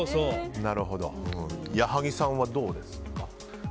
矢作さんはどうですか？